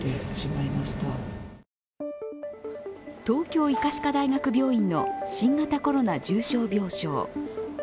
東京医科歯科大学病院の新型コロナ重症病床